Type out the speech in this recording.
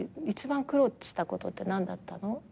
一番苦労したことって何だったの？